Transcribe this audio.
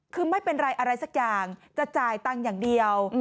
คือไม่เป็นไรอะไรสักอย่างจะจ่ายตังค์อย่างเดียว